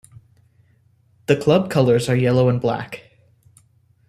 The club colours are yellow and black.